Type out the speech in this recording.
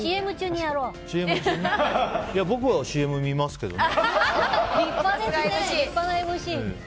いや、僕はＣＭ見ますけどね。